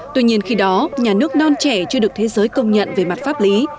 tuy nhiên khi đó nhà nước non trẻ chưa được thế giới công nhận về mặt pháp lý